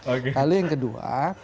oke lalu yang kedua